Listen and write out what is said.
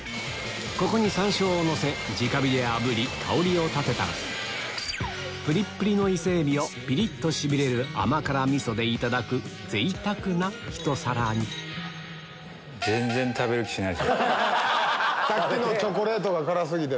ここに山椒をのせじか火であぶり香りを立てたらプリップリのイセエビをピリっとしびれる甘辛味噌でいただく贅沢なひと皿にさっきのチョコが辛過ぎて。